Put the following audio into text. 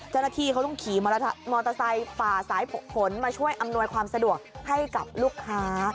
เจ้าหน้าที่เขาต้องขี่มอเตอร์ไซค์ฝ่าสายฝนมาช่วยอำนวยความสะดวกให้กับลูกค้า